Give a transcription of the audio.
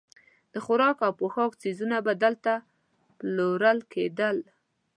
د خوراک او پوښاک څیزونه به دلته پلورل کېدل.